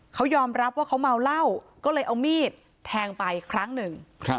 เขายอมรับว่าเขาเมาเหล้าก็เลยเอามีดแทงไปครั้งหนึ่ง